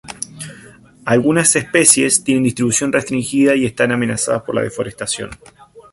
Algunas especies tienen distribución restringida y están amenazadas por la deforestación.